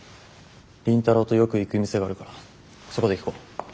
倫太郎とよく行く店があるからそこで聞こう。